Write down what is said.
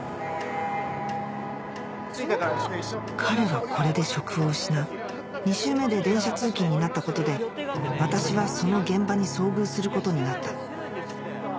彼はこれで職を失う２周目で電車通勤になったことで私はその現場に遭遇することになった